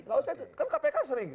kan kpk sering